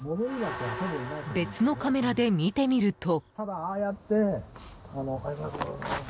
別のカメラで見てみると。